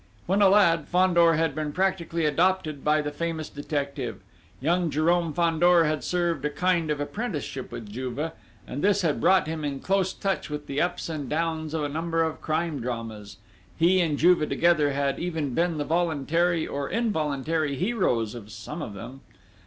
When a lad, Fandor had been practically adopted by the famous detective. Young Jérôme Fandor had served a kind of apprenticeship with Juve, and this had brought him into close touch with the ups and downs of a number of crime dramas: he and Juve together had even been the voluntary, or involuntary, heroes of some of them!